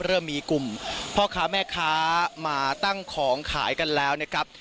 เริ่มมีกลุ่มพ่อค้าแม่ค้ามาตั้งของขายกันแล้วนะครับ